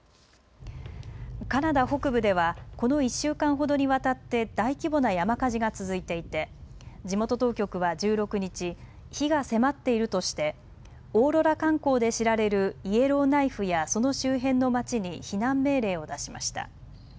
カナダ北部ではこの１週間ほどにわたって大規模な山火事が続いていて地元当局は１６日、火が迫っているとしてオーロラ観光で知られるイエローナイフやその周辺の町に避難命令を出しました。